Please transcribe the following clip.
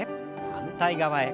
反対側へ。